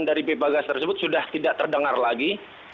dari pipa gas tersebut sudah tidak terdengar lagi